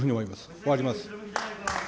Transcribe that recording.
終わります。